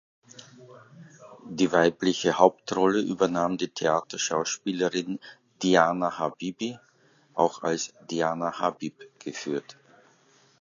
Die weibliche Hauptrolle übernahm die Theaterschauspielerin Diana Habibi (auch als „Diana Habib“ geführt).